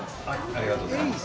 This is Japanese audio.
ありがとうございます。